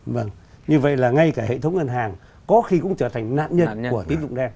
vâng như vậy là ngay cả hệ thống ngân hàng có khi cũng trở thành nạn nhân của tín dụng đen